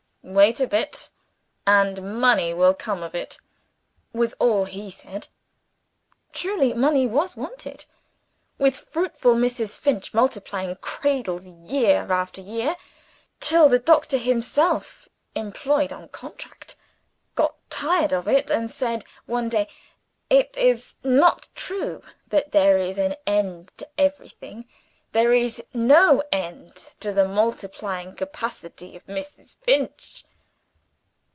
"Wait a bit, and money will come of it," was all he said. Truly money was wanted! with fruitful Mrs. Finch multiplying cradles, year after year, till the doctor himself (employed on contract) got tired of it, and said one day, "It is not true that there is an end to everything: there is no end to the multiplying capacity of Mrs. Finch."